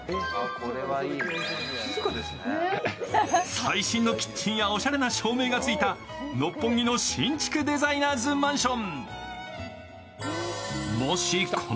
最新のキッチンやおしゃれな照明がついた六本木のおしゃれなデザイナーズマンション。